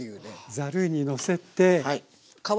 ざるにのせて。